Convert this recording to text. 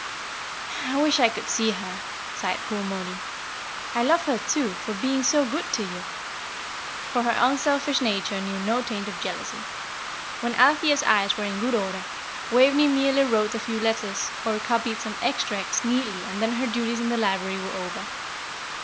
"I wish I could see her," sighed poor Mollie. "I love her, too, for being so good to you" for her unselfish nature knew no taint of jealousy. When Althea's eyes were in good order, Waveney merely wrote a few letters, or copied some extracts neatly and then her duties in the library were over.